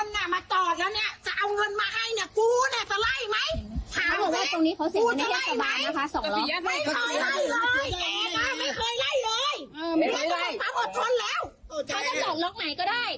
ทำอดทนแล้วเธอจะจอดรถไหนเท่านั้นก็ได้